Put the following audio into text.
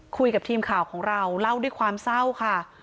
คุยกับทีมข่าวของเราเล่าด้วยความเศร้าค่ะ